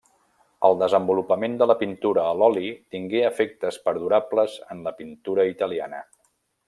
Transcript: El desenvolupament de la pintura a l'oli tingué efectes perdurables en la pintura italiana.